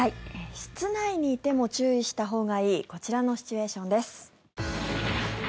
室内にいても注意したほうがいいこちらのシチュエーションです。